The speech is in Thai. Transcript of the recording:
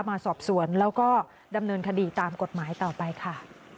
มาสอบสวนแล้วก็ดำเนินคดีตามกฎหมายต่อไปค่ะ